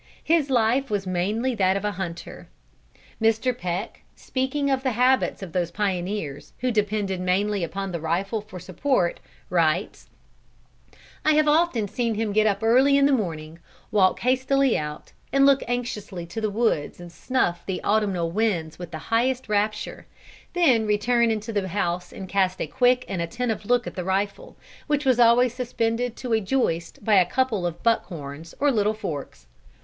His life was mainly that of a hunter. Mr. Peck, speaking of the habits of those pioneers who depended mainly upon the rifle for support, writes: "I have often seen him get up early in the morning, walk hastily out, and look anxiously to the woods and snuff the autumnal winds with the highest rapture; then return into the house and cast a quick and attentive look at the rifle, which was always suspended to a joist by a couple of buck horns or little forks.